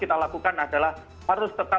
kita lakukan adalah harus tetap